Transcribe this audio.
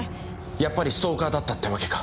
やっぱりストーカーだったってわけか。